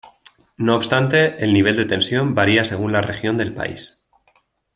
No obstante, el nivel de tensión varía según la región del país.